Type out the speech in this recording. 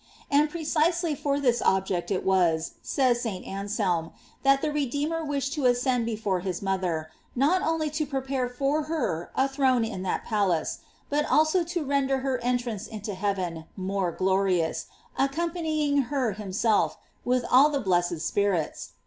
* And precisely for this object it was, says St. Anselm, that the Redeemer wished to ascend before his mother, not only to prepare for her a throne in that palace, but also to render her entrance into heaven more glorious, accompanying her him self, with all the blessed spirits.